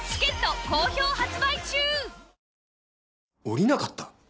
下りなかった？